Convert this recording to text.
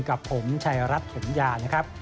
กับผมชายรัฐถมยานะครับ